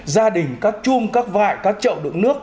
gia đình các chung các vại các chậu đựng nước